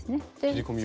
切り込みを。